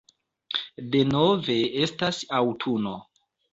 Denove estas aŭtuno.